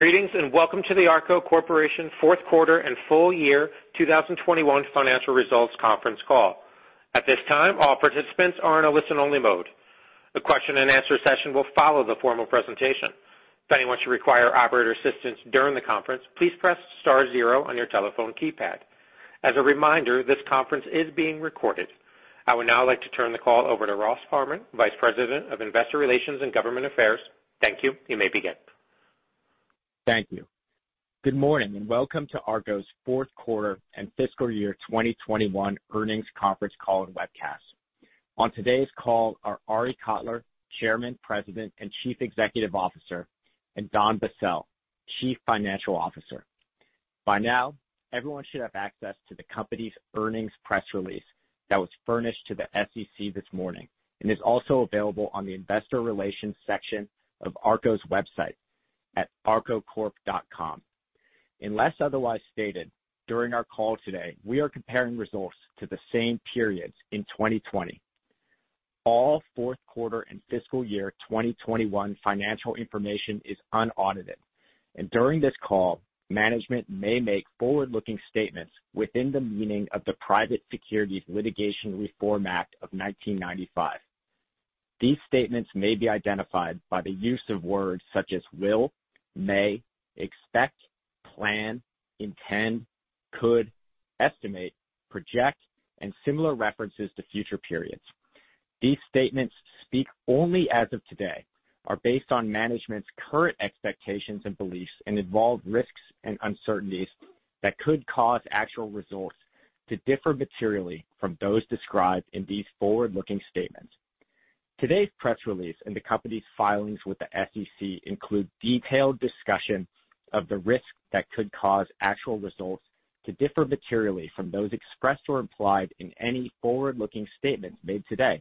Greetings, and welcome to the ARKO Corp. fourth quarter and full year 2021 financial results conference call. At this time, all participants are in a listen-only mode. The question and answer session will follow the formal presentation. If anyone should require operator assistance during the conference, please press star zero on your telephone keypad. As a reminder, this conference is being recorded. I would now like to turn the call over to Ross Parman, Vice President of Investor Relations and Government Affairs. Thank you. You may begin. Thank you. Good morning, and welcome to ARKO's fourth quarter and fiscal year 2021 earnings conference call and webcast. On today's call are Arie Kotler, Chairman, President, and Chief Executive Officer, and Don Bassell, Chief Financial Officer. By now, everyone should have access to the company's earnings press release that was furnished to the SEC this morning and is also available on the investor relations section of ARKO's website at arkocorp.com. Unless otherwise stated, during our call today, we are comparing results to the same periods in 2020. All fourth quarter and fiscal year 2021 financial information is unaudited. During this call, management may make forward-looking statements within the meaning of the Private Securities Litigation Reform Act of 1995. These statements may be identified by the use of words such as will, may, expect, plan, intend, could, estimate, project and similar references to future periods. These statements speak only as of today, are based on management's current expectations and beliefs, and involve risks and uncertainties that could cause actual results to differ materially from those described in these forward-looking statements. Today's press release and the company's filings with the SEC include detailed discussion of the risks that could cause actual results to differ materially from those expressed or implied in any forward-looking statements made today.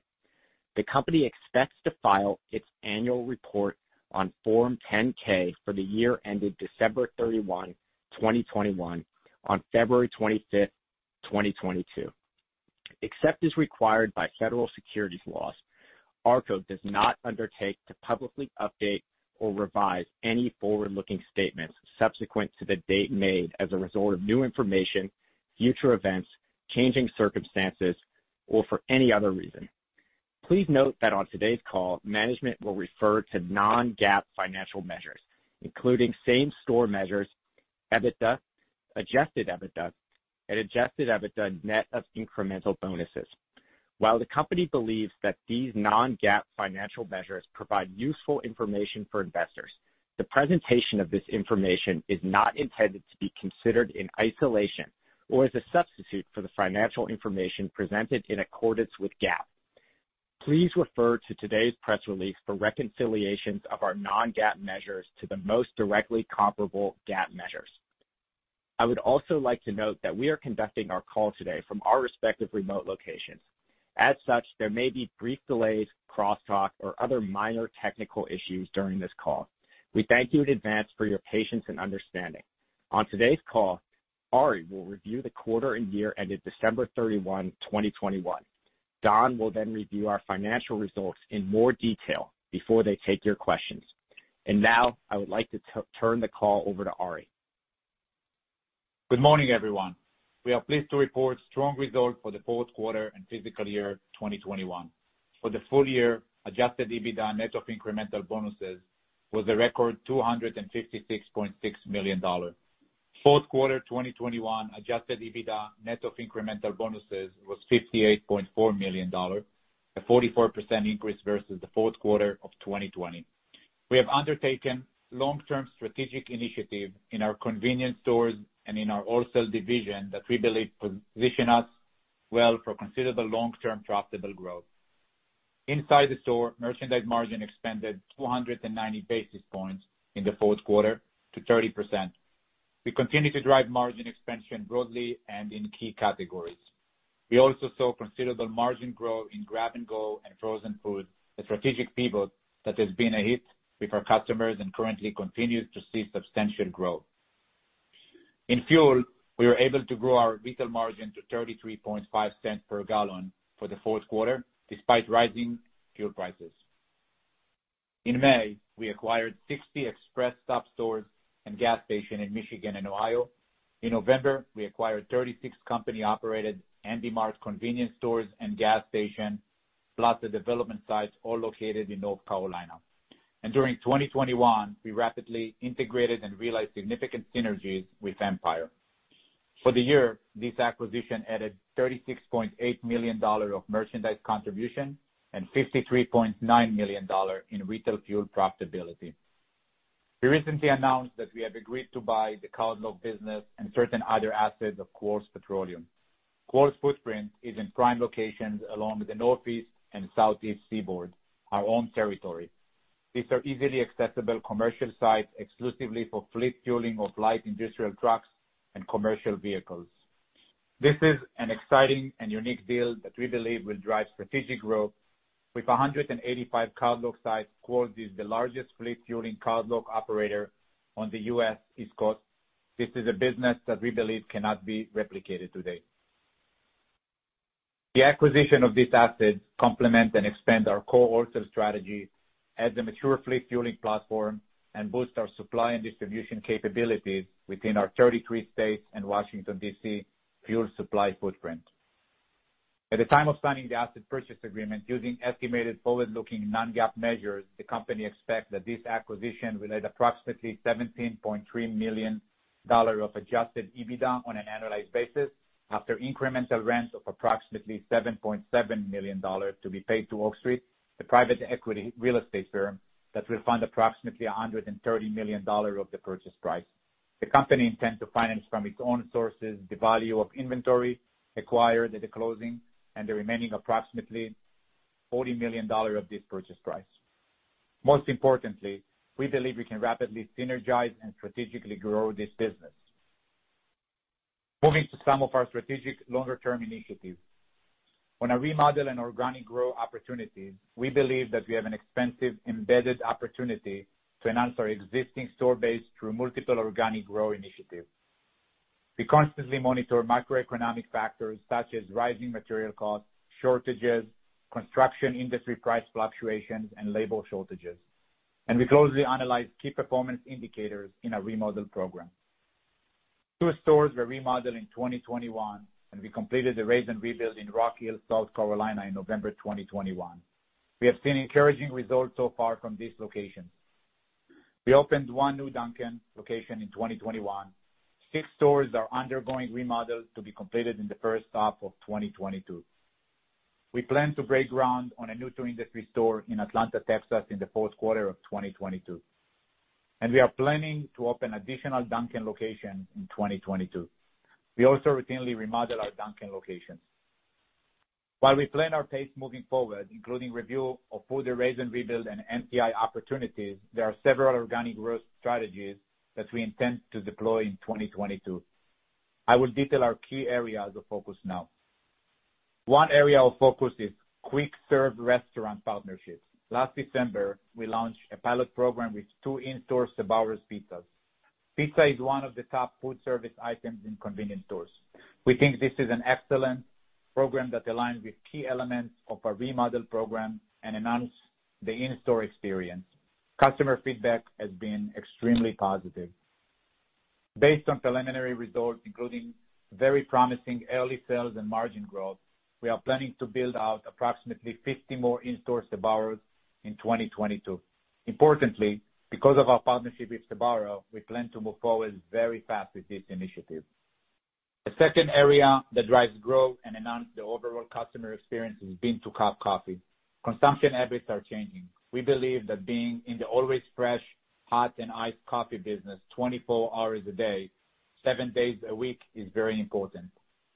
The company expects to file its annual report on Form 10-K for the year ended December 31, 2021, on February 25, 2022. Except as required by federal securities laws, ARKO does not undertake to publicly update or revise any forward-looking statements subsequent to the date made as a result of new information, future events, changing circumstances, or for any other reason. Please note that on today's call, management will refer to non-GAAP financial measures, including same store measures, EBITDA, adjusted EBITDA, and adjusted EBITDA net of incremental bonuses. While the company believes that these non-GAAP financial measures provide useful information for investors, the presentation of this information is not intended to be considered in isolation or as a substitute for the financial information presented in accordance with GAAP. Please refer to today's press release for reconciliations of our non-GAAP measures to the most directly comparable GAAP measures. I would also like to note that we are conducting our call today from our respective remote locations. As such, there may be brief delays, crosstalk, or other minor technical issues during this call. We thank you in advance for your patience and understanding. On today's call, Arie will review the quarter and year ended December 31, 2021. Don will then review our financial results in more detail before they take your questions. Now, I would like to turn the call over to Arie. Good morning, everyone. We are pleased to report strong results for the fourth quarter and fiscal year 2021. For the full year, adjusted EBITDA net of incremental bonuses was a record $256.6 million. Fourth quarter 2021 adjusted EBITDA net of incremental bonuses was $58.4 million, a 44% increase versus the fourth quarter of 2020. We have undertaken long-term strategic initiatives in our convenience stores and in our wholesale division that we believe position us well for considerable long-term profitable growth. Inside the store, merchandise margin expanded 290 basis points in the fourth quarter to 30%. We continue to drive margin expansion broadly and in key categories. We also saw considerable margin growth in grab-and-go and frozen foods, a strategic pivot that has been a hit with our customers and currently continues to see substantial growth. In fuel, we were able to grow our retail margin to 33.5 cents per gallon for the fourth quarter, despite rising fuel prices. In May, we acquired 60 ExpressStop stores and gas stations in Michigan and Ohio. In November, we acquired 36 company-operated Handy Mart convenience stores and gas stations, plus the development sites all located in North Carolina. During 2021, we rapidly integrated and realized significant synergies with Empire. For the year, this acquisition added $36.8 million of merchandise contribution and $53.9 million in retail fuel profitability. We recently announced that we have agreed to buy the Cardlock business and certain other assets of Quarles Petroleum. Core footprint is in prime locations along the Northeast and Southeast seaboard, our own territory. These are easily accessible commercial sites exclusively for fleet fueling of light industrial trucks and commercial vehicles. This is an exciting and unique deal that we believe will drive strategic growth. With 185 Cardlock sites, of course, is the largest fleet fueling Cardlock operator on the U.S. East Coast. This is a business that we believe cannot be replicated today. The acquisition of this asset complement and expand our core wholesale strategy as a mature fleet fueling platform, and boost our supply and distribution capabilities within our 33 states and Washington, D.C., fuel supply footprint. At the time of signing the asset purchase agreement using estimated forward-looking non-GAAP measures, the company expect that this acquisition will add approximately $17.3 million of adjusted EBITDA on an annualized basis, after incremental rent of approximately $7.7 million to be paid to Oak Street, the private equity real estate firm that will fund approximately $130 million of the purchase price. The company intends to finance from its own sources the value of inventory acquired at the closing and the remaining approximately $40 million of this purchase price. Most importantly, we believe we can rapidly synergize and strategically grow this business. Moving to some of our strategic longer-term initiatives. On a remodel and organic growth opportunity, we believe that we have an extensive embedded opportunity to enhance our existing store base through multiple organic growth initiatives. We constantly monitor macroeconomic factors such as rising material costs, shortages, construction industry price fluctuations, and labor shortages. We closely analyze key performance indicators in our remodel program. Two stores were remodeled in 2021, and we completed the raze-and-rebuild in Rock Hill, South Carolina, in November 2021. We have seen encouraging results so far from this location. We opened one new Dunkin' location in 2021. Six stores are undergoing remodels to be completed in the first half of 2022. We plan to break ground on a new-to-industry store in Atlanta, Texas, in the fourth quarter of 2022. We are planning to open additional Dunkin' location in 2022. We also routinely remodel our Dunkin' locations. While we plan our pace moving forward, including review of further raze-and-rebuild and NTI opportunities, there are several organic growth strategies that we intend to deploy in 2022. I will detail our key areas of focus now. One area of focus is quick-serve restaurant partnerships. Last December, we launched a pilot program with 2 in-store Sbarro's pizzas. Pizza is one of the top food service items in convenience stores. We think this is an excellent program that aligns with key elements of our remodel program and enhance the in-store experience. Customer feedback has been extremely positive. Based on preliminary results, including very promising early sales and margin growth, we are planning to build out approximately 50 more in-store Sbarro's in 2022. Importantly, because of our partnership with Sbarro, we plan to move forward very fast with this initiative. The second area that drives growth and enhances the overall customer experience has been bean-to-cup coffee. Consumption habits are changing. We believe that being in the always fresh, hot and iced coffee business twenty-four hours a day, seven days a week, is very important.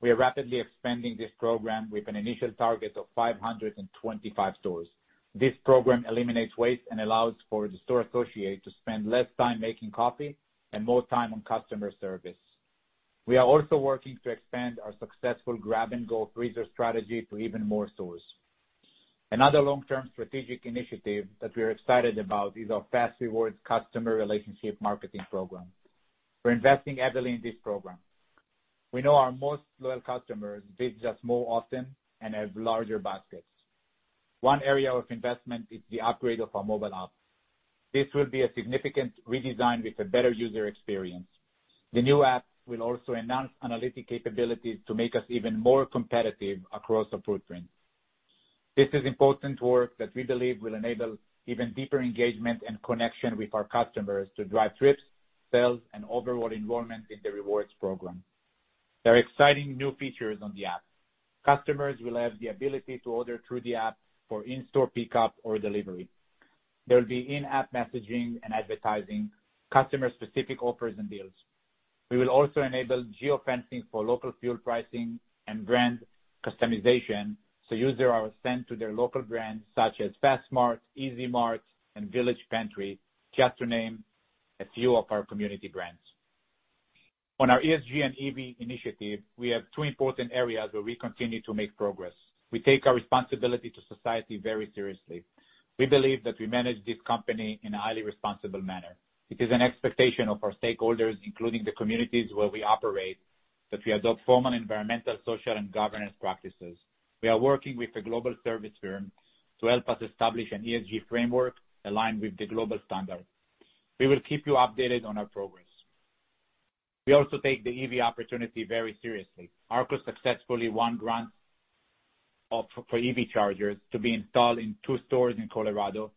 We are rapidly expanding this program with an initial target of 525 stores. This program eliminates waste and allows for the store associate to spend less time making coffee and more time on customer service. We are also working to expand our successful grab-and-go freezer strategy to even more stores. Another long-term strategic initiative that we are excited about is our fas REWARDS customer relationship marketing program. We're investing heavily in this program. We know our most loyal customers visit us more often and have larger baskets. One area of investment is the upgrade of our mobile app. This will be a significant redesign with a better user experience. The new app will also enhance analytic capabilities to make us even more competitive across our footprint. This is important work that we believe will enable even deeper engagement and connection with our customers to drive trips, sales, and overall enrollment in the rewards program. There are exciting new features on the app. Customers will have the ability to order through the app for in-store pickup or delivery. There will be in-app messaging and advertising, customer-specific offers and deals. We will also enable geofencing for local fuel pricing and brand customization so users are sent to their local brands such as fas mart, E-Z Mart, and Village Pantry, just to name a few of our community brands. On our ESG and EV initiative, we have two important areas where we continue to make progress. We take our responsibility to society very seriously. We believe that we manage this company in a highly responsible manner. It is an expectation of our stakeholders, including the communities where we operate, that we adopt formal environmental, social, and governance practices. We are working with a global service firm to help us establish an ESG framework aligned with the global standard. We will keep you updated on our progress. We also take the EV opportunity very seriously. ARKO successfully won grants for EV chargers to be installed in 2 stores in Colorado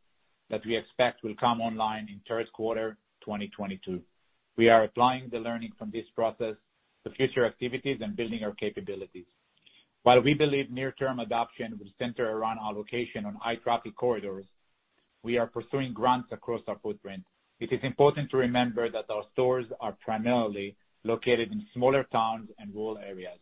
that we expect will come online in third quarter 2022. We are applying the learning from this process to future activities and building our capabilities. While we believe near-term adoption will center around our location on high-traffic corridors, we are pursuing grants across our footprint. It is important to remember that our stores are primarily located in smaller towns and rural areas.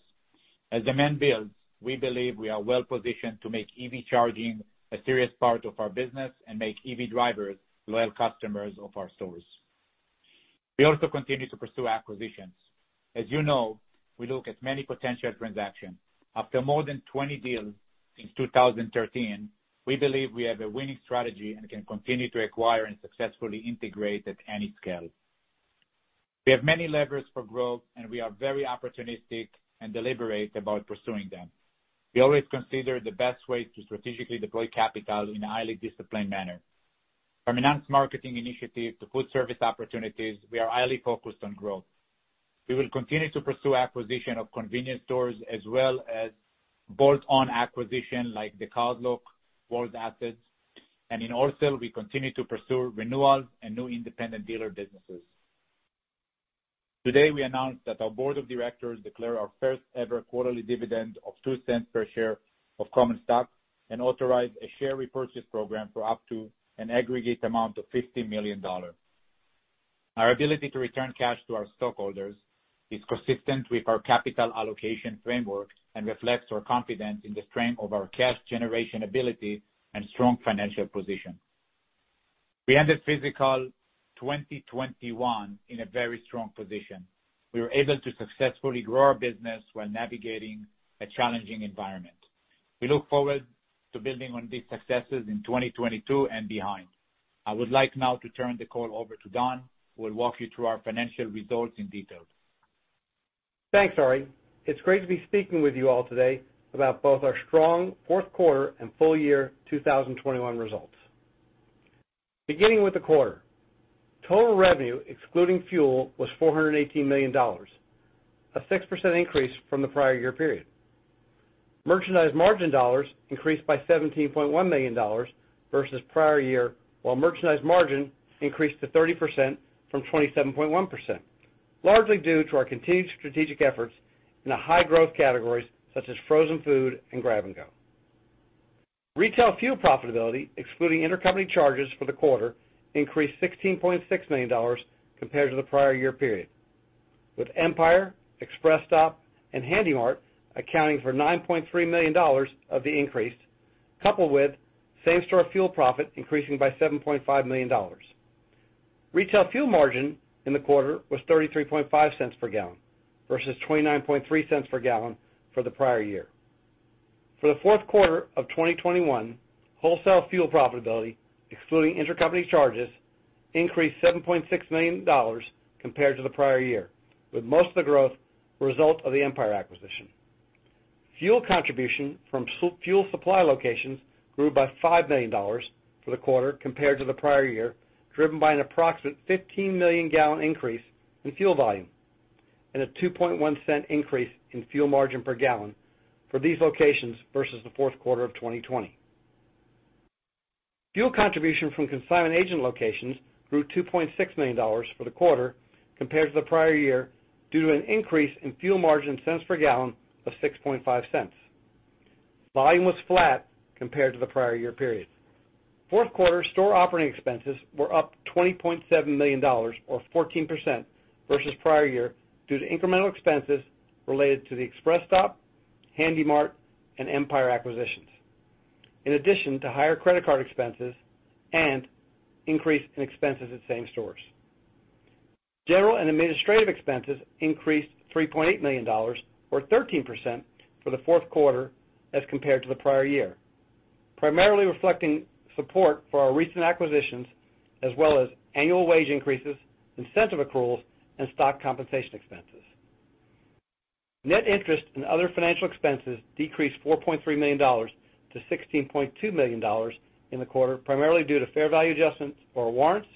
As demand builds, we believe we are well-positioned to make EV charging a serious part of our business and make EV drivers loyal customers of our stores. We also continue to pursue acquisitions. As you know, we look at many potential transactions. After more than 20 deals since 2013, we believe we have a winning strategy and can continue to acquire and successfully integrate at any scale. We have many levers for growth, and we are very opportunistic and deliberate about pursuing them. We always consider the best way to strategically deploy capital in a highly disciplined manner. From enhanced marketing initiatives to food service opportunities, we are highly focused on growth. We will continue to pursue acquisition of convenience stores as well as bolt-on acquisition like the Cardlock world assets. In wholesale, we continue to pursue renewals and new independent dealer businesses. Today, we announced that our board of directors declare our first-ever quarterly dividend of $0.02 per share of common stock and authorize a share repurchase program for up to an aggregate amount of $50 million. Our ability to return cash to our stockholders is consistent with our capital allocation framework and reflects our confidence in the strength of our cash generation ability and strong financial position. We ended fiscal 2021 in a very strong position. We were able to successfully grow our business while navigating a challenging environment. We look forward to building on these successes in 2022 and beyond. I would like now to turn the call over to Don, who will walk you through our financial results in detail. Thanks, Arie. It's great to be speaking with you all today about both our strong fourth quarter and full year 2021 results. Beginning with the quarter, total revenue excluding fuel was $418 million, a 6% increase from the prior year period. Merchandise margin dollars increased by $17.1 million versus prior year, while merchandise margin increased to 30% from 27.1%, largely due to our continued strategic efforts in the high-growth categories such as frozen food and grab-and-go. Retail fuel profitability, excluding intercompany charges for the quarter, increased $16.6 million compared to the prior year period, with Empire, ExpressStop, and Handy Mart accounting for $9.3 million of the increase, coupled with same-store fuel profit increasing by $7.5 million. Retail fuel margin in the quarter was 33.5 cents per gallon versus 29.3 cents per gallon for the prior year. For the fourth quarter of 2021, wholesale fuel profitability, excluding intercompany charges, increased $7.6 million compared to the prior year, with most of the growth a result of the Empire acquisition. Fuel contribution from spot fuel supply locations grew by $5 million for the quarter compared to the prior year, driven by an approximate 15 million gallon increase in fuel volume and a 2.1 cent increase in fuel margin per gallon for these locations versus the fourth quarter of 2020. Fuel contribution from consignment agent locations grew $2.6 million for the quarter compared to the prior year due to an increase in fuel margin cents per gallon of 6.5 cents. Volume was flat compared to the prior year period. Fourth quarter store operating expenses were up $20.7 million or 14% versus prior year due to incremental expenses related to the ExpressStop, Handy Mart, and Empire acquisitions, in addition to higher credit card expenses and increase in expenses at same stores. General and administrative expenses increased $3.8 million or 13% for the fourth quarter as compared to the prior year, primarily reflecting support for our recent acquisitions as well as annual wage increases, incentive accruals, and stock compensation expenses. Net interest and other financial expenses decreased $4.3 million to $16.2 million in the quarter, primarily due to fair value adjustments for warrants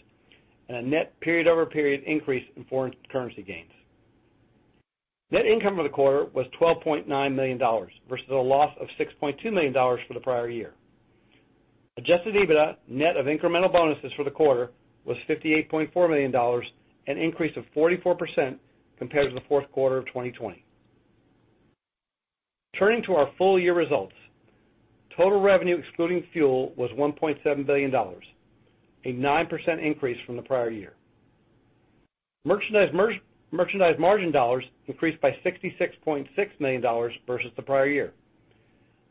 and a net period-over-period increase in foreign currency gains. Net income for the quarter was $12.9 million versus a loss of $6.2 million for the prior year. Adjusted EBITDA net of incremental bonuses for the quarter was $58.4 million, an increase of 44% compared to the fourth quarter of 2020. Turning to our full year results, total revenue excluding fuel was $1.7 billion, a 9% increase from the prior year. Merchandise margin dollars increased by $66.6 million versus the prior year.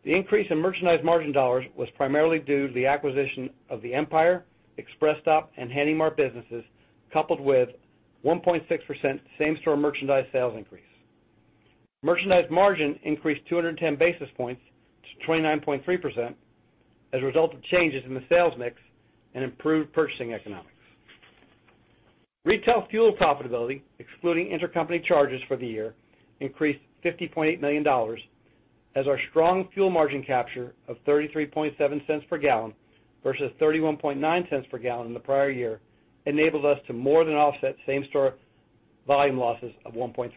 The increase in merchandise margin dollars was primarily due to the acquisition of the Empire, ExpressStop, and Handy Mart businesses, coupled with 1.6% same-store merchandise sales increase. Merchandise margin increased 210 basis points to 29.3% as a result of changes in the sales mix and improved purchasing economics. Retail fuel profitability, excluding intercompany charges for the year, increased $50.8 million as our strong fuel margin capture of 33.7 cents per gallon versus 31.9 cents per gallon in the prior year enabled us to more than offset same-store volume losses of 1.3%.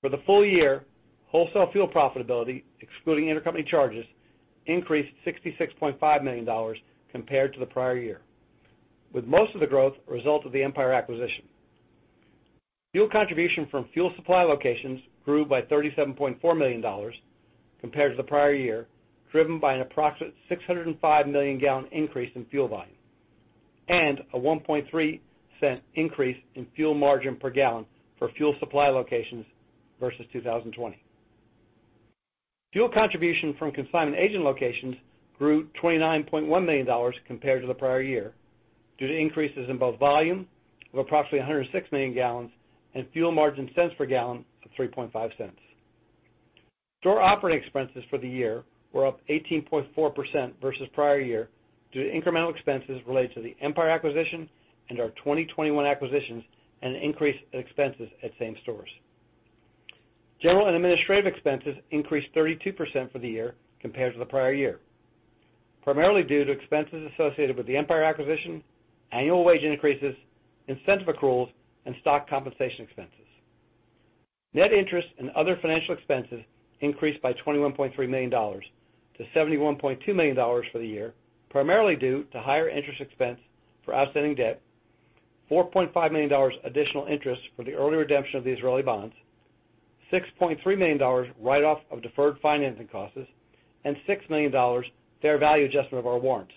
For the full year, wholesale fuel profitability, excluding intercompany charges, increased $66.5 million compared to the prior year, with most of the growth a result of the Empire acquisition. Fuel contribution from fuel supply locations grew by $37.4 million compared to the prior year, driven by an approximate 605 million gallon increase in fuel volume and a 1.3 cents increase in fuel margin per gallon for fuel supply locations versus 2020. Fuel contribution from consignment agent locations grew $29.1 million compared to the prior year due to increases in both volume of approximately 106 million gallons and fuel margin cents per gallon of 3.5 cents. Store operating expenses for the year were up 18.4% versus prior year due to incremental expenses related to the Empire acquisition and our 2021 acquisitions and increased expenses at same stores. General and administrative expenses increased 32% for the year compared to the prior year, primarily due to expenses associated with the Empire acquisition, annual wage increases, incentive accruals, and stock compensation expenses. Net interest and other financial expenses increased by $21.3 million to $71.2 million for the year, primarily due to higher interest expense for outstanding debt, $4.5 million additional interest for the early redemption of the Israeli bonds, $6.3 million write-off of deferred financing costs, and $6 million fair value adjustment of our warrants,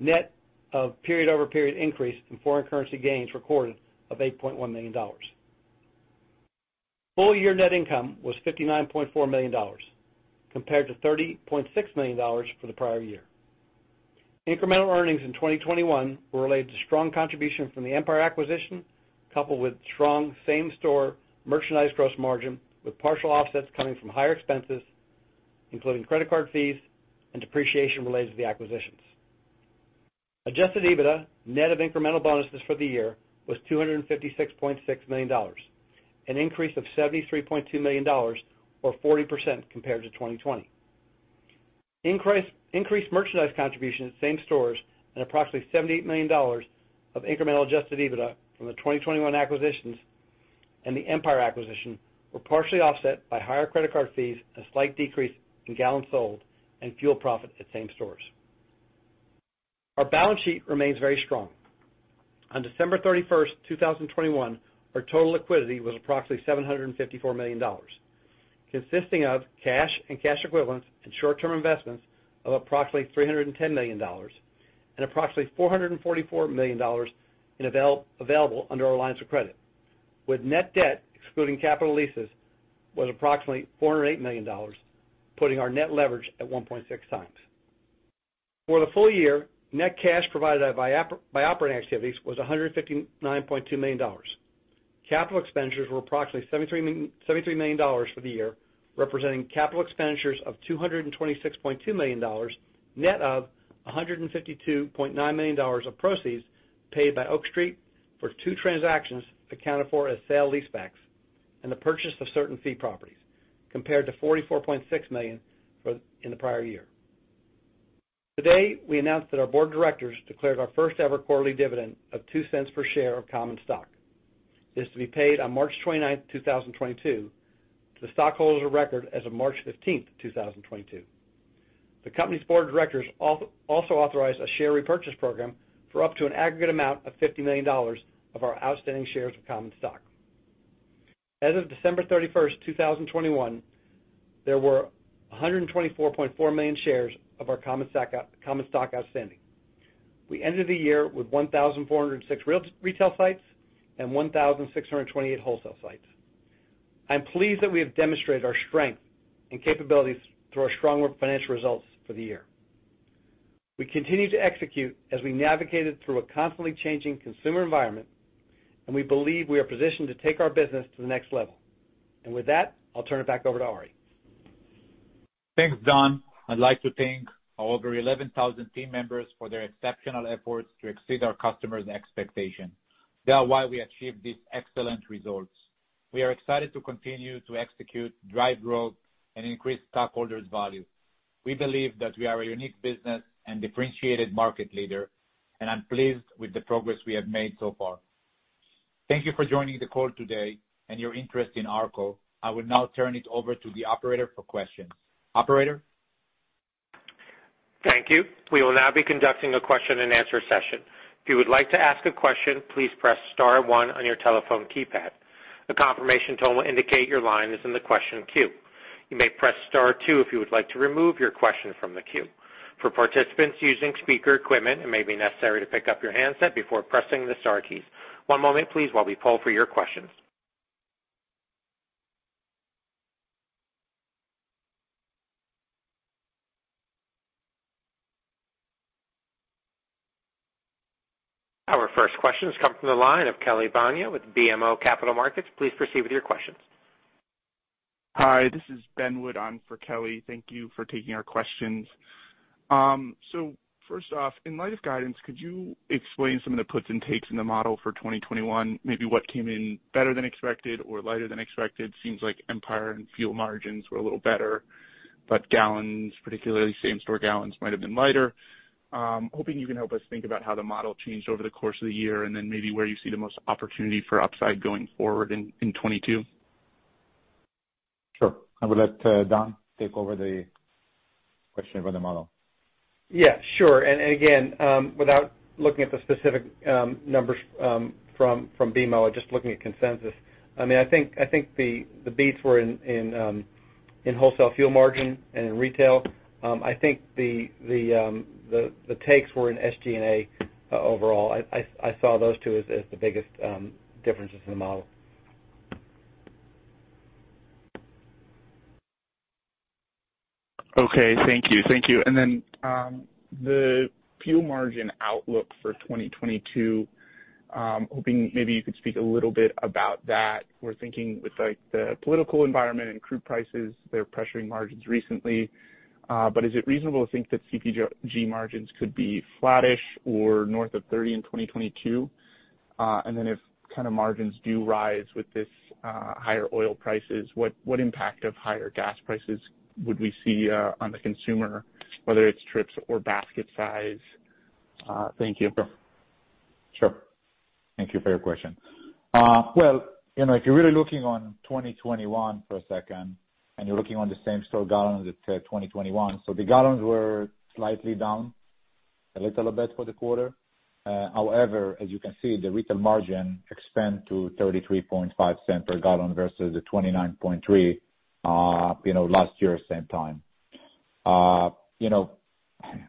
net of period-over-period increase in foreign currency gains recorded of $8.1 million. Full year net income was $59.4 million compared to $30.6 million for the prior year. Incremental earnings in 2021 were related to strong contribution from the Empire acquisition, coupled with strong same store merchandise gross margin, with partial offsets coming from higher expenses, including credit card fees and depreciation related to the acquisitions. Adjusted EBITDA net of incremental bonuses for the year was $256.6 million, an increase of $73.2 million or 40% compared to 2020. Increased merchandise contribution at same stores and approximately $78 million of incremental adjusted EBITDA from the 2021 acquisitions and the Empire acquisition were partially offset by higher credit card fees, a slight decrease in gallons sold, and fuel profit at same stores. Our balance sheet remains very strong. On December 31, 2021, our total liquidity was approximately $754 million, consisting of cash and cash equivalents and short-term investments of approximately $310 million and approximately $444 million in available under our lines of credit, with net debt excluding capital leases was approximately $408 million, putting our net leverage at 1.6 times. For the full year, net cash provided by operating activities was $159.2 million. Capital expenditures were approximately $73 million for the year, representing capital expenditures of $226.2 million, net of $152.9 million of proceeds paid by Oak Street for two transactions accounted for as sale leasebacks and the purchase of certain fee properties compared to $44.6 million in the prior year. Today, we announced that our board of directors declared our first-ever quarterly dividend of $0.02 per share of common stock. It's to be paid on March 29, 2022 to the stockholders of record as of March 15, 2022. The company's board of directors also authorized a share repurchase program for up to an aggregate amount of $50 million of our outstanding shares of common stock. As of December 31, 2021, there were 124.4 million shares of our common stock outstanding. We ended the year with 1,406 retail sites and 1,628 wholesale sites. I'm pleased that we have demonstrated our strength and capabilities through our strong financial results for the year. We continue to execute as we navigated through a constantly changing consumer environment, and we believe we are positioned to take our business to the next level. With that, I'll turn it back over to Arie. Thanks, Don. I'd like to thank our over 11,000 team members for their exceptional efforts to exceed our customers' expectations. They are why we achieved these excellent results. We are excited to continue to execute, drive growth, and increase stockholders' value. We believe that we are a unique business and differentiated market leader, and I'm pleased with the progress we have made so far. Thank you for joining the call today and your interest in ARKO. I will now turn it over to the operator for questions. Operator? Thank you. We will now be conducting a question-and-answer session. If you would like to ask a question, please press star one on your telephone keypad. A confirmation tone will indicate your line is in the question queue. You may press star two if you would like to remove your question from the queue. For participants using speaker equipment, it may be necessary to pick up your handset before pressing the star keys. One moment, please, while we poll for your questions. Our first questions come from the line of Kelly Bania with BMO Capital Markets. Please proceed with your questions. Hi, this is Ben Wood on for Kelly. Thank you for taking our questions. First off, in light of guidance, could you explain some of the puts and takes in the model for 2021, maybe what came in better than expected or lighter than expected? Seems like Empire and fuel margins were a little better, but gallons, particularly same-store gallons, might have been lighter. Hoping you can help us think about how the model changed over the course of the year and then maybe where you see the most opportunity for upside going forward in 2022. Sure. I will let Don take over the question about the model. Yeah, sure. Again, without looking at the specific numbers from BMO or just looking at consensus, I mean, I think the beats were in wholesale fuel margin and in retail. I think the takes were in SG&A overall. I saw those two as the biggest differences in the model. Thank you. Thank you. The fuel margin outlook for 2022, hoping maybe you could speak a little bit about that. We're thinking with, like, the political environment and crude prices, they're pressuring margins recently. Is it reasonable to think that CPG margins could be flattish or north of 30 in 2022? If kind of margins do rise with this higher oil prices, what impact of higher gas prices would we see on the consumer, whether it's trips or basket size? Thank you. Sure. Thank you for your question. Well, you know, if you're really looking on 2021 for a second, and you're looking on the same store gallons at 2021. So the gallons were slightly down a little bit for the quarter. However, as you can see, the retail margin expand to 33.5 cents per gallon versus the 29.3, you know, last year, same time. You know,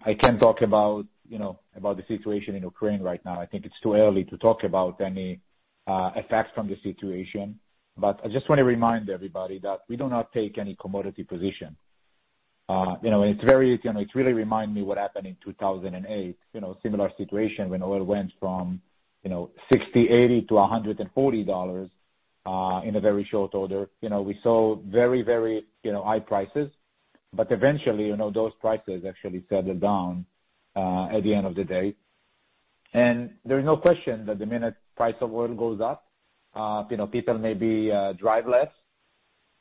I can talk about, you know, about the situation in Ukraine right now. I think it's too early to talk about any effects from the situation. I just wanna remind everybody that we do not take any commodity position. You know, it really remind me what happened in 2008, you know, similar situation when oil went from, you know, $60, $80 to $140 in a very short order. You know, we saw very high prices. Eventually, you know, those prices actually settled down at the end of the day. There is no question that the minute price of oil goes up, you know, people maybe drive less,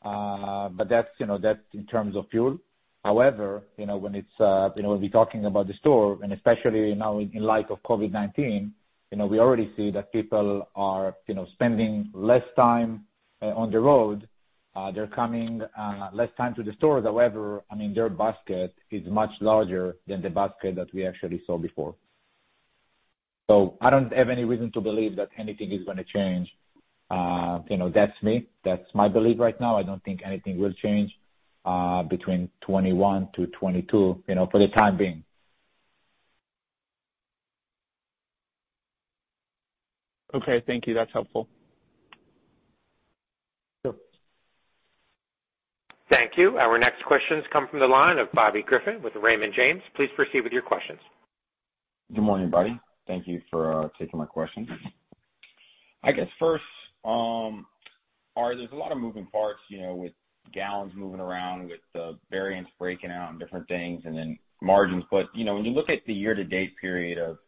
but that's, you know, that's in terms of fuel. However, you know, when it's, you know, we're talking about the store, and especially now in light of COVID-19, you know, we already see that people are, you know, spending less time on the road. They're coming less time to the store. However, I mean, their basket is much larger than the basket that we actually saw before. I don't have any reason to believe that anything is gonna change. You know, that's me. That's my belief right now. I don't think anything will change between 2021 to 2022, you know, for the time being. Okay, thank you. That's helpful. Sure. Thank you. Our next questions come from the line of Bobby Griffin with Raymond James. Please proceed with your questions. Good morning, everybody. Thank you for taking my questions. I guess first, is there a lot of moving parts, you know, with gallons moving around, with the variants breaking out and different things and then margins. You know, when you look at the year-to-date period of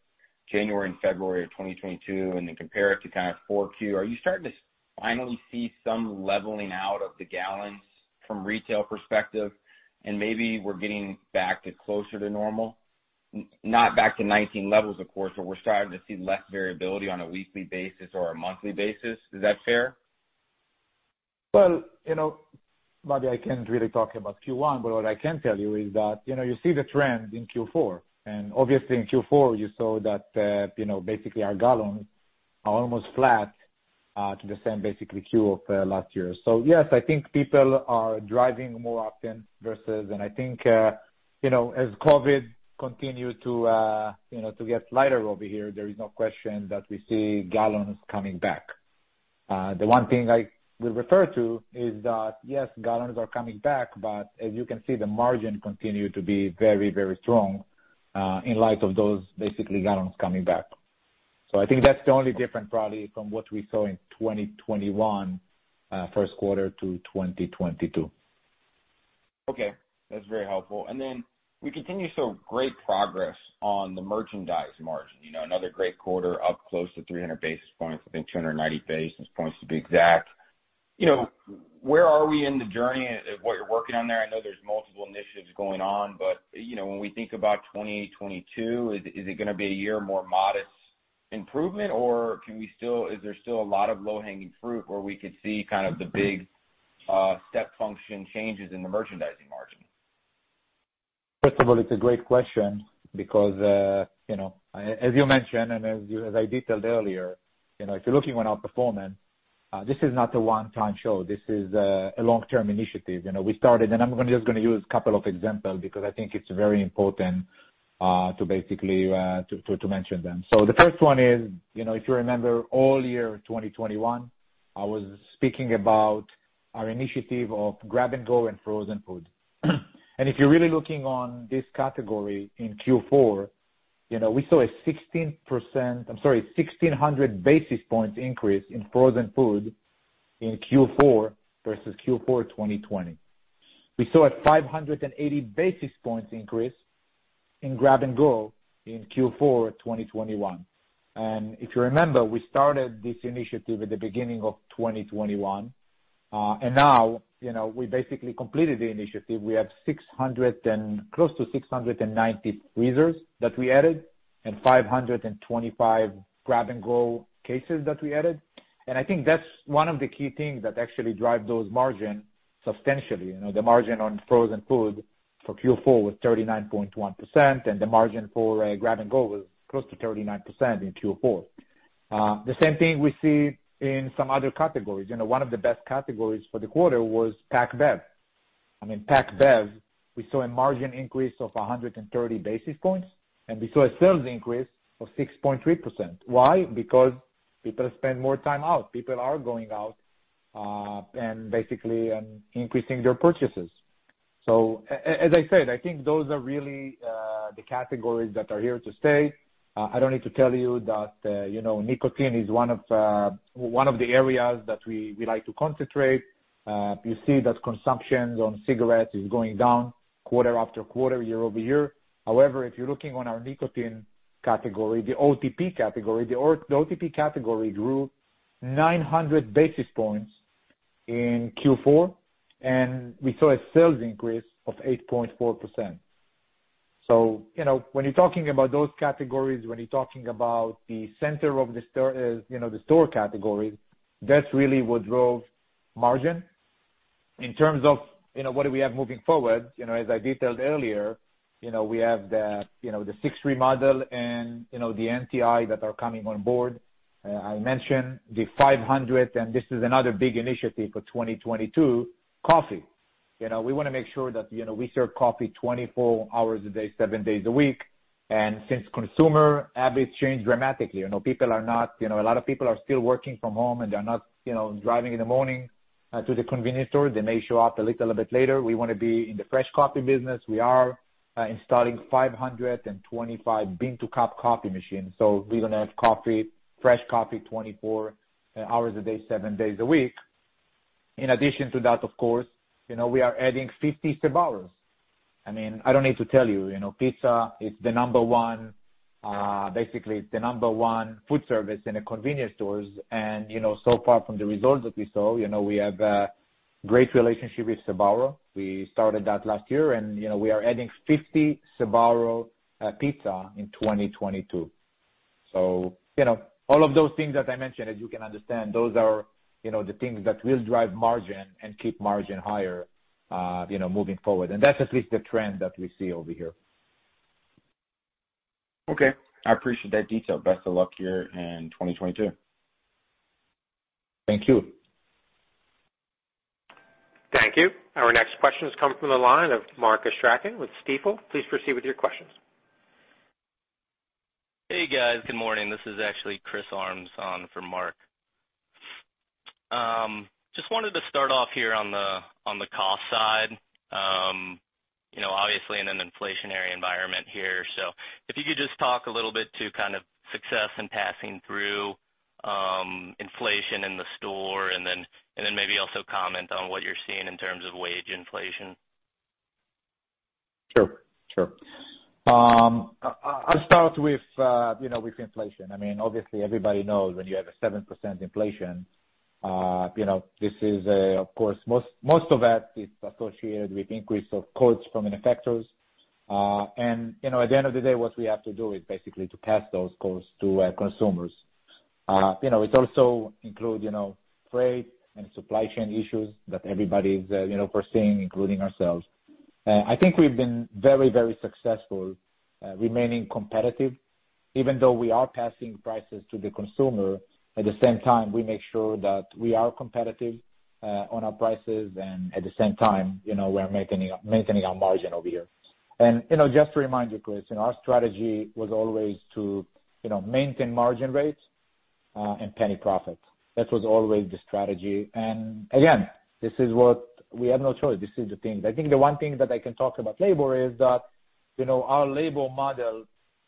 January and February of 2022 and then compare it to kind of 4Q, are you starting to finally see some leveling out of the gallons from retail perspective and maybe we're getting back to closer to normal? Not back to 2019 levels, of course, but we're starting to see less variability on a weekly basis or a monthly basis. Is that fair? Well, you know, Bobby, I can't really talk about Q1, but what I can tell you is that, you know, you see the trend in Q4, and obviously in Q4 you saw that, you know, basically our gallons are almost flat, to the same basically Q of last year. Yes, I think people are driving more often versus. I think, you know, as COVID continued to, you know, to get lighter over here, there is no question that we see gallons coming back. The one thing I will refer to is that, yes, gallons are coming back, but as you can see, the margin continue to be very, very strong, in light of those basically gallons coming back. I think that's the only difference probably from what we saw in 2021 first quarter to 2022. Okay, that's very helpful. We continue to show great progress on the merchandise margin. You know, another great quarter up close to 300 basis points, I think 290 basis points to be exact. You know, where are we in the journey of what you're working on there? I know there's multiple initiatives going on, but, you know, when we think about 2022, is it gonna be a year more modest improvement or is there still a lot of low-hanging fruit where we could see kind of the big step function changes in the merchandising margin? First of all, it's a great question because, as you mentioned, as I detailed earlier, you know, if you're looking at our performance, this is not a one-time show. This is a long-term initiative. You know, we started. I'm gonna just use a couple of examples because I think it's very important to basically mention them. The first one is, you know, if you remember all year 2021, I was speaking about our initiative of grab and go and frozen food. If you're really looking at this category in Q4, you know, we saw a 16%. I'm sorry, 1,600 basis points increase in frozen food in Q4 versus Q4 2020. We saw a 580 basis points increase in grab and go in Q4 2021. If you remember, we started this initiative at the beginning of 2021. Now, you know, we basically completed the initiative. We have 600 and close to 690 freezers that we added and 525 grab and go cases that we added. I think that's one of the key things that actually drive those margin substantially. The margin on frozen food for Q4 was 39.1%, and the margin for grab and go was close to 39% in Q4. The same thing we see in some other categories. You know, one of the best categories for the quarter was Packaged beverages. I mean, Packaged beverages, we saw a margin increase of 130 basis points, and we saw a sales increase of 6.3%. Why? Because people spend more time out. People are going out and basically increasing their purchases. So as I said, I think those are really the categories that are here to stay. I don't need to tell you that, you know, nicotine is one of the areas that we like to concentrate. You see that consumption on cigarettes is going down quarter after quarter, year-over-year. However, if you're looking at our nicotine category, the OTP category grew 900 basis points in Q4, and we saw a sales increase of 8.4%. You know, when you're talking about those categories, when you're talking about the center of the store categories, that's really what drove margin. In terms of, you know, what do we have moving forward, you know, as I detailed earlier, you know, we have the, you know, the sixth remodel and, you know, the NTI that are coming on board. I mentioned the 500, and this is another big initiative for 2022, coffee. You know, we wanna make sure that, you know, we serve coffee 24 hours a day, 7 days a week. Since consumer habits change dramatically, you know, people are not, you know, a lot of people are still working from home, and they're not, you know, driving in the morning to the convenience store. They may show up a little bit later. We wanna be in the fresh coffee business. We are installing 525 bean-to-cup coffee machines. We're gonna have coffee, fresh coffee 24 hours a day, 7 days a week. In addition to that, of course, you know, we are adding 50 Sbarros. I mean, I don't need to tell you know, pizza is the number one, basically the number one food service in the convenience stores. You know, so far from the results that we saw, you know, we have a great relationship with Sbarro. We started that last year and, you know, we are adding 50 Sbarro pizza in 2022. You know, all of those things that I mentioned, as you can understand, those are, you know, the things that will drive margin and keep margin higher, you know, moving forward. That's at least the trend that we see over here. Okay. I appreciate that detail. Best of luck here in 2022. Thank you. Thank you. Our next question is coming from the line of Mark Astrachan with Stifel. Please proceed with your questions. Hey, guys. Good morning. This is actually Chris Armes on for Mark. Just wanted to start off here on the cost side. You know, obviously in an inflationary environment here. If you could just talk a little bit to kind of success in passing through inflation in the store and then maybe also comment on what you're seeing in terms of wage inflation. Sure. I'll start with, you know, with inflation. I mean, obviously everybody knows when you have a 7% inflation, you know, this is, of course, most of that is associated with increase of costs from manufacturers. You know, at the end of the day, what we have to do is basically to pass those costs to, consumers. You know, it also include, you know, freight and supply chain issues that everybody is, you know, facing, including ourselves. I think we've been very successful, remaining competitive. Even though we are passing prices to the consumer, at the same time, we make sure that we are competitive, on our prices and at the same time, you know, we're maintaining our margin over here. You know, just to remind you, Chris, you know, our strategy was always to, you know, maintain margin rates and penny profits. That was always the strategy. Again, this is what we have no choice. This is the thing. I think the one thing that I can talk about labor is that, you know, our labor model,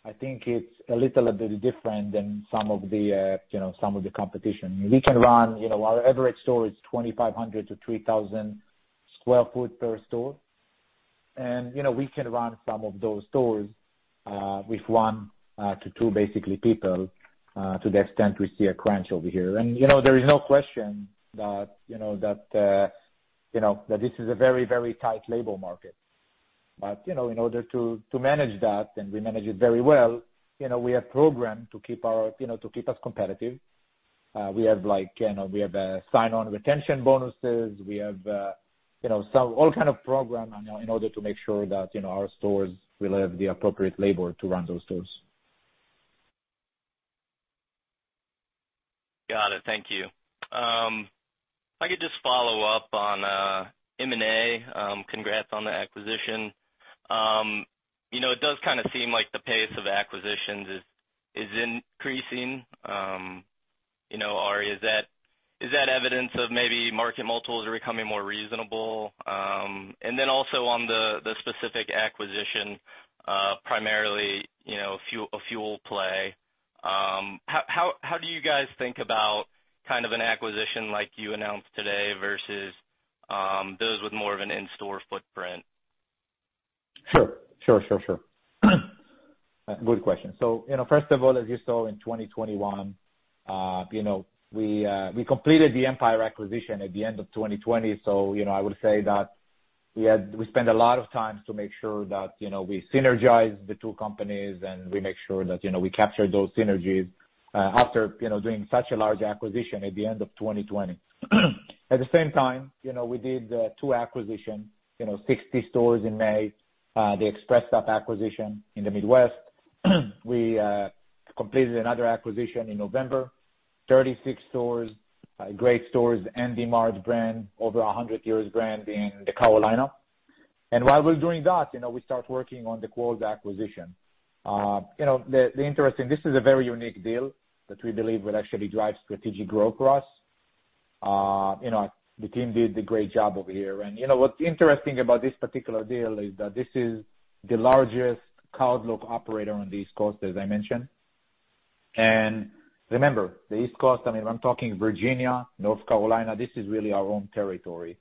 I think it's a little bit different than some of the competition. We can run, you know, our average store is 2,500-3,000 sq ft per store. You know, we can run some of those stores with one to two basically people to the extent we see a crunch over here. You know, there is no question that this is a very, very tight labor market. In order to manage that, we manage it very well. You know, we have programs to keep our, you know, to keep us competitive. We have like, you know, sign-on retention bonuses. We have, you know, some all kinds of programs in order to make sure that, you know, our stores will have the appropriate labor to run those stores. Got it. Thank you. If I could just follow up on M&A. Congrats on the acquisition. You know, it does kinda seem like the pace of acquisitions is increasing. You know, Arie, is that evidence of maybe market multiples are becoming more reasonable? Also on the specific acquisition, primarily a fuel play. How do you guys think about kind of an acquisition like you announced today versus those with more of an in-store footprint? Sure. Good question. You know, first of all, as you saw in 2021, we completed the Empire acquisition at the end of 2020. You know, I would say that we spent a lot of time to make sure that, you know, we synergize the two companies and we make sure that, you know, we capture those synergies, after doing such a large acquisition at the end of 2020. At the same time, you know, we did two acquisitions, 60 stores in May, the ExpressStop acquisition in the Midwest. We completed another acquisition in November, 36 stores, great stores, Handy Mart brand, over 100 years brand in the Carolinas. While we're doing that, you know, we start working on the Quarles acquisition. This is a very unique deal that we believe will actually drive strategic growth for us. You know, the team did a great job over here. You know, what's interesting about this particular deal is that this is the largest cardlock operator on the East Coast, as I mentioned. Remember, the East Coast, I mean, I'm talking Virginia, North Carolina. This is really our own territory.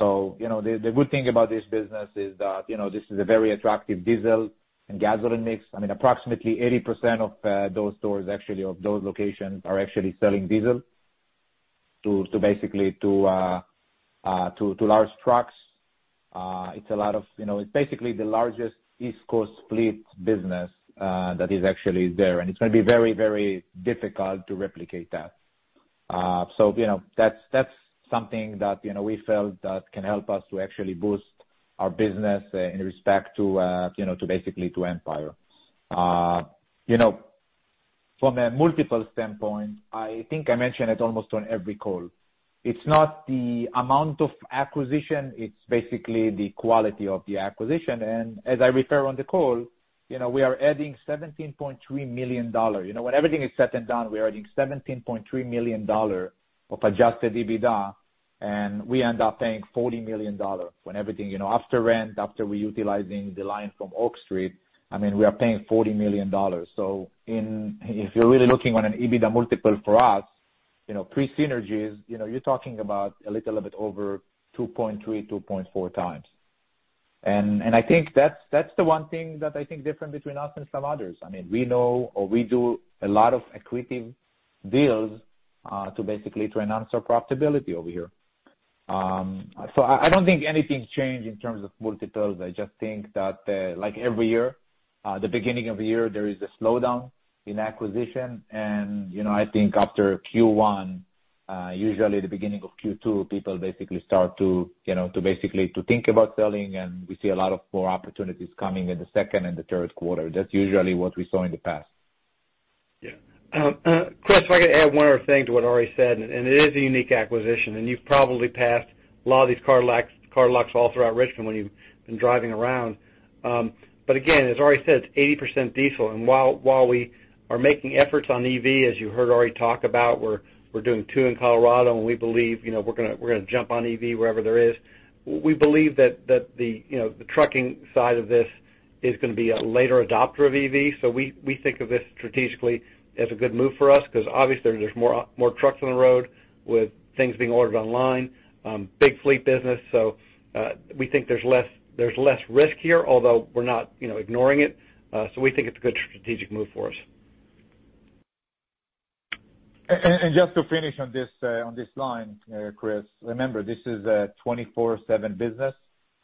You know, the good thing about this business is that, you know, this is a very attractive diesel and gasoline mix. I mean, approximately 80% of those stores, actually, of those locations are actually selling diesel to basically large trucks. You know, it's basically the largest East Coast fleet business that is actually there, and it's gonna be very, very difficult to replicate that. So, you know, that's something that, you know, we felt that can help us to actually boost our business in respect to, you know, to basically to Empire. You know, from a multiple standpoint, I think I mentioned it almost on every call. It's not the amount of acquisition, it's basically the quality of the acquisition. As I refer on the call, you know, we are adding $17.3 million. You know, when everything is said and done, we are adding $17.3 million of adjusted EBITDA, and we end up paying $40 million when everything, you know, after rent, after we utilizing the line from Oak Street, I mean, we are paying $40 million. If you're really looking on an EBITDA multiple for us, you know, pre synergies, you know, you're talking about a little bit over 2.3-2.4x. I think that's the one thing that I think different between us and some others. I mean, we know or we do a lot of accretive deals to basically to enhance our profitability over here. So I don't think anything's changed in terms of multiples. I just think that, like every year, the beginning of the year, there is a slowdown in acquisition. You know, I think after Q1, usually the beginning of Q2, people basically start to, you know, think about selling, and we see a lot more opportunities coming in the second and the third quarter. That's usually what we saw in the past. Yeah. Chris, if I could add one more thing to what Arie said, and it is a unique acquisition, and you've probably passed a lot of these Cardlocks all throughout Richmond when you've been driving around. But again, as Arie said, it's 80% diesel. While we are making efforts on EV, as you heard Arie talk about, we're doing 2 in Colorado, and we believe, you know, we're gonna jump on EV wherever there is. We believe that the, you know, the trucking side of this is gonna be a later adopter of EV. We think of this strategically as a good move for us because obviously there's more trucks on the road with things being ordered online, big fleet business. We think there's less risk here, although we're not, you know, ignoring it. We think it's a good strategic move for us. Just to finish on this, on this line, Chris, remember, this is a 24/7 business,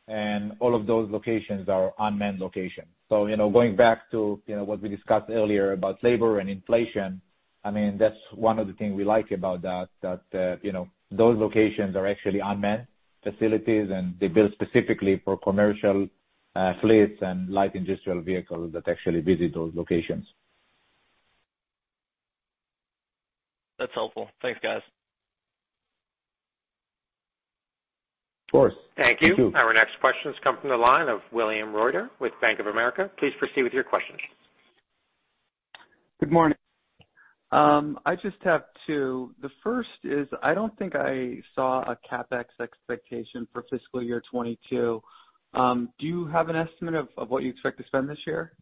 and all of those locations are unmanned locations. You know, going back to, you know, what we discussed earlier about labor and inflation, I mean, that's one of the things we like about that you know, those locations are actually unmanned facilities, and they're built specifically for commercial fleets and light industrial vehicles that actually visit those locations. That's helpful. Thanks, guys. Of course. Thank you. Thank you. Our next question comes from the line of William Reuter with Bank of America. Please proceed with your question. Good morning. I just have two. The first is, I don't think I saw a CapEx expectation for fiscal year 2022. Do you have an estimate of what you expect to spend this year?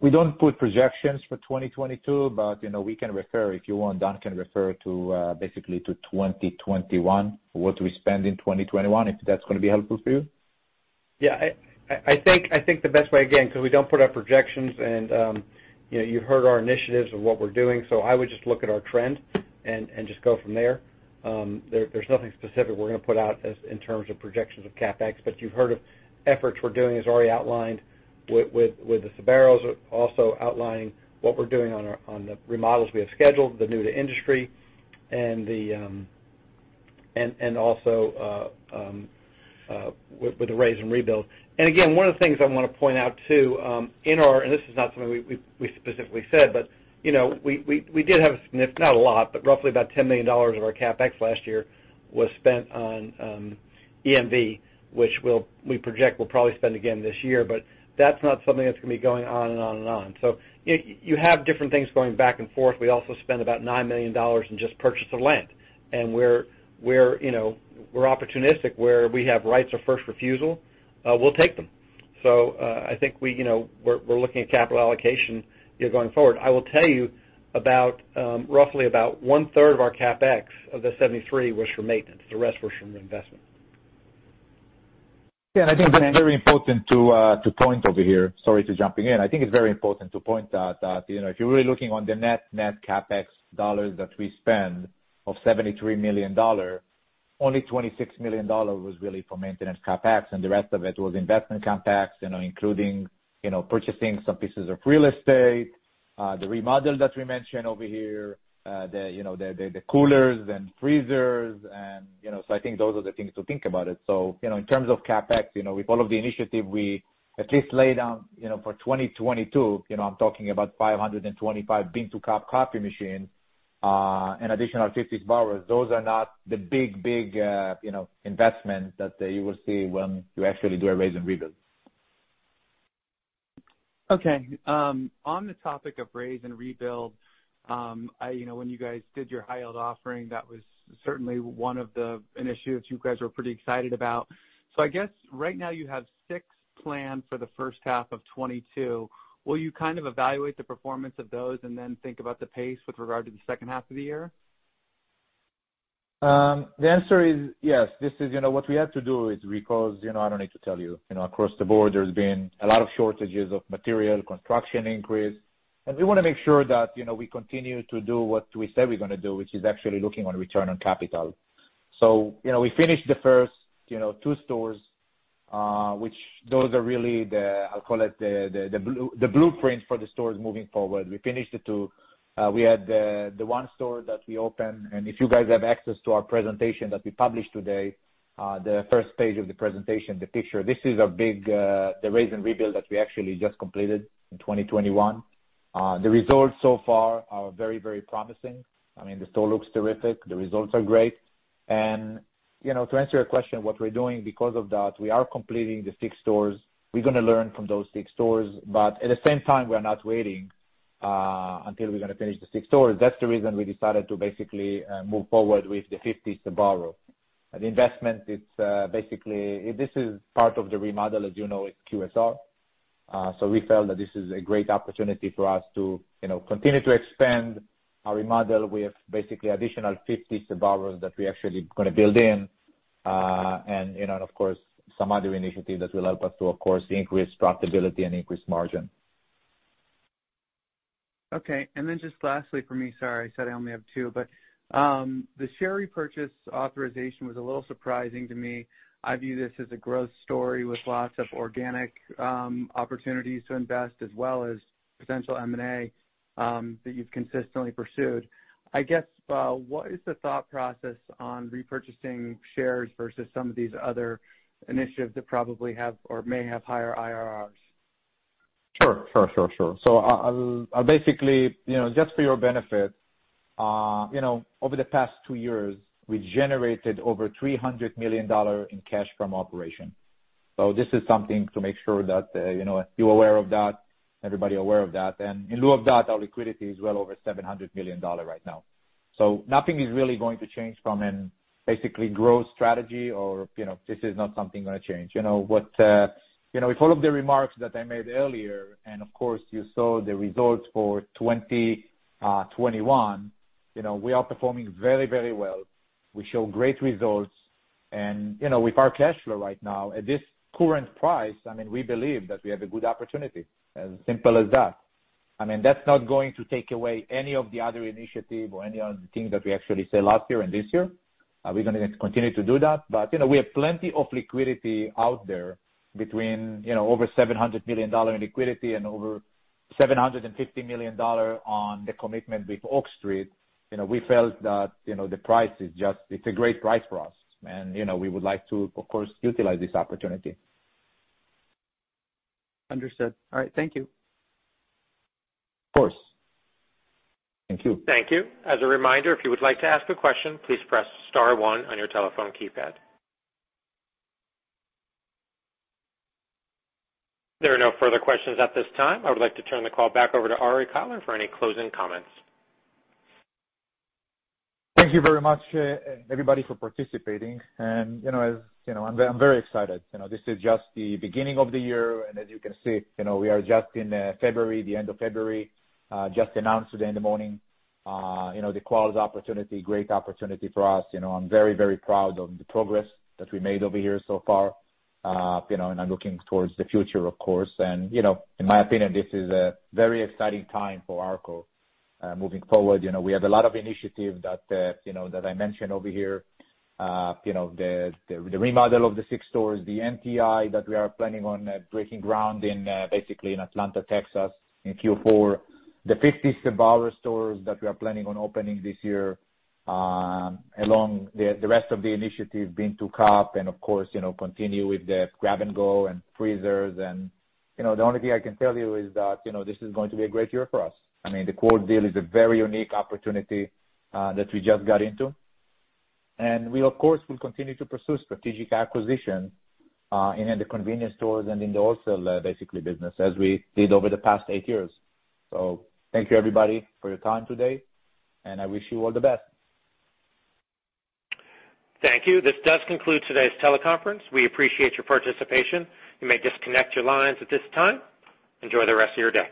We don't put projections for 2022, but, you know, we can refer, if you want, Don Bassell can refer to, basically to 2021, what we spend in 2021, if that's gonna be helpful to you. I think the best way, again, because we don't put out projections and, you know, you heard our initiatives of what we're doing, so I would just look at our trend and just go from there. There's nothing specific we're gonna put out as in terms of projections of CapEx, but you've heard of efforts we're doing, as Arie outlined with the Sbarro, also outlining what we're doing on the remodels we have scheduled, the new-to-industry and also with the raze-and-rebuild. Again, one of the things I wanna point out, too, in our. This is not something we specifically said, but you know, we did have not a lot, but roughly about $10 million of our CapEx last year was spent on EMV, which we project we'll probably spend again this year, but that's not something that's gonna be going on and on and on. You have different things going back and forth. We also spend about $9 million in just purchase of land. We're, you know, opportunistic, where we have rights of first refusal, we'll take them. I think we, you know, we're looking at capital allocation, you know, going forward. I will tell you about roughly about one-third of our CapEx of the $73 million was for maintenance. The rest was from the investment. Yeah. I think it's very important to point out that, you know, if you're really looking on the net CapEx dollars that we spend of $73 million, only $26 million was really for maintenance CapEx, and the rest of it was investment CapEx, you know, including, you know, purchasing some pieces of real estate, the remodel that we mentioned over here, the coolers and freezers and, you know. I think those are the things to think about it. In terms of CapEx, you know, with all of the initiative we at least laid down, you know, for 2022, you know, I'm talking about 525 bean-to-cup coffee machines, an additional 50 Sbarro. Those are not the big, you know, investment that you will see when you actually do a raze-and-rebuild. Okay, on the topic of raze-and-rebuild, you know, when you guys did your high-yield offering, that was certainly one of the issues that you guys were pretty excited about. I guess right now you have six planned for the first half of 2022. Will you kind of evaluate the performance of those and then think about the pace with regard to the second half of the year? The answer is yes. This is, you know, what we had to do is because, you know, I don't need to tell you know, across the board there's been a lot of shortages of material, construction increase. We wanna make sure that, you know, we continue to do what we said we're gonna do, which is actually looking on return on capital. You know, we finished the first, you know, two stores, which those are really the, I'll call it the blueprint for the stores moving forward. We finished the two. We had the one store that we opened, and if you guys have access to our presentation that we published today, the first page of the presentation, the picture. This is a big raze-and-rebuild that we actually just completed in 2021. The results so far are very, very promising. I mean, the store looks terrific. The results are great. You know, to answer your question, what we're doing because of that, we are completing the 6 stores. We're gonna learn from those 6 stores, but at the same time, we are not waiting until we're gonna finish the 6 stores. That's the reason we decided to basically move forward with the 50 Sbarro. The investment, it's basically, this is part of the remodel, as you know, it's QSR. So we felt that this is a great opportunity for us to, you know, continue to expand our remodel. We have basically additional 50 Sbarros that we actually gonna build in. You know, and of course, some other initiatives that will help us to, of course, increase profitability and increase margin. Okay. Just lastly for me, sorry, I said I only have two, but, the share repurchase authorization was a little surprising to me. I view this as a growth story with lots of organic, opportunities to invest, as well as potential M&A, that you've consistently pursued. I guess, what is the thought process on repurchasing shares versus some of these other initiatives that probably have or may have higher IRRs? Sure. I'll basically, you know, just for your benefit, you know, over the past 2 years, we generated over $300 million in cash from operations. This is something to make sure that, you know, you're aware of that, everybody aware of that. In lieu of that, our liquidity is well over $700 million right now. Nothing is really going to change from a basically growth strategy or, you know, this is not something gonna change. You know, what, you know, with all of the remarks that I made earlier, and of course, you saw the results for 2021, you know, we are performing very, very well. We show great results and, you know, with our cash flow right now at this current price, I mean, we believe that we have a good opportunity, as simple as that. I mean, that's not going to take away any of the other initiative or any other thing that we actually say last year and this year. We're gonna continue to do that. You know, we have plenty of liquidity out there between, you know, over $700 million in liquidity and over $750 million on the commitment with Oak Street. You know, we felt that, you know, the price is just, it's a great price for us. You know, we would like to, of course, utilize this opportunity. Understood. All right. Thank you. Of course. Thank you. Thank you. As a reminder, if you would like to ask a question, please press star one on your telephone keypad. There are no further questions at this time. I would like to turn the call back over to Arie Kotler for any closing comments. Thank you very much, everybody for participating. You know, as you know, I'm very excited. You know, this is just the beginning of the year. As you can see, you know, we are just in February, the end of February. We just announced today in the morning, you know, the Quarles opportunity, great opportunity for us. You know, I'm very, very proud of the progress that we made over here so far, you know, and I'm looking towards the future, of course. You know, in my opinion, this is a very exciting time for ARKO, moving forward. You know, we have a lot of initiative that you know that I mentioned over here. You know, the remodel of the six stores, the NTI that we are planning on breaking ground basically in Atlanta, Texas, in Q4. The 50 Sbarro stores that we are planning on opening this year, along the rest of the initiative bean-to-cup and of course, you know, continue with the grab and go and freezers. You know, the only thing I can tell you is that, you know, this is going to be a great year for us. I mean, the Quarles deal is a very unique opportunity that we just got into. We, of course, will continue to pursue strategic acquisition in the convenience stores and in the wholesale basically business, as we did over the past eight years. Thank you everybody for your time today, and I wish you all the best. Thank you. This does conclude today's teleconference. We appreciate your participation. You may disconnect your lines at this time. Enjoy the rest of your day.